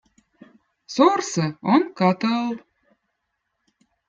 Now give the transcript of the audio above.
sorsõ on katõll